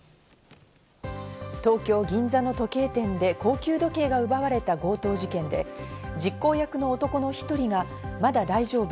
東京・銀座の時計店で高級時計が奪われた強盗事件で、実行役の男の１人がまだ大丈夫。